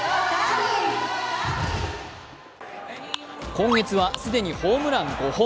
今月は既にホームラン５本。